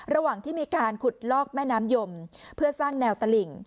ระหว่างที่มีการขุดลอกแม่น้ำยมเพื่อสร้างแนวตลิ่ง